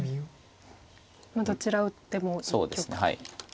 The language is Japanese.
どちらを打っても一局と。